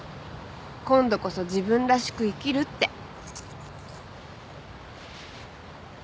今度こそ自分らしく生きるって。